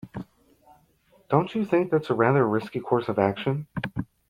Don't you think that's a rather risky course of action?